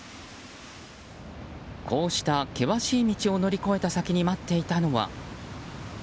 こうした険しい道を乗り越えた先に待っていたのは。